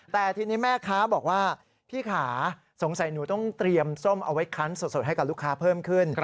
แต่ทีนี้แม่ค้าบอกว่าพี่ขาสงสัยหนูต้องเตรียมส้มเอาไว้คันสดให้กับลูกค้าเพิ่มขึ้น